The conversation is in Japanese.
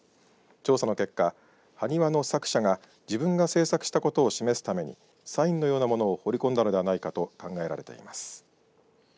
調査の結果、埴輪の作者が自分が製作したことを示すためにサインのようなものを彫りこんだのではないかと考えられています。